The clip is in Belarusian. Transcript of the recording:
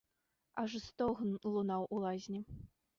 Аж стогн лунаў у лазні.